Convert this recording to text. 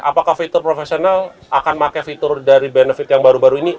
apakah fitur profesional akan pakai fitur dari benefit yang baru baru ini